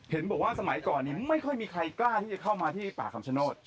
เห็นบอกว่าสมัยก่อนนี้ไม่ค่อยมีใครกล้าที่จะเข้ามาที่ป่าคำชโนธ